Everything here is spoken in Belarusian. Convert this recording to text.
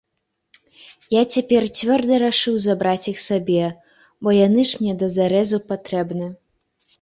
Я цяпер цвёрда рашыў забраць іх сабе, бо яны ж мне да зарэзу патрэбны.